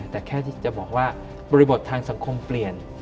แต่แค่ที่จะบอกว่าบริบททางสังคมเปลี่ยน